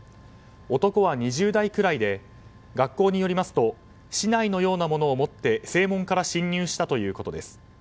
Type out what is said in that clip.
男は２０代ぐらいで学校によりますと竹刀のようなものを持って正門から侵入したということです。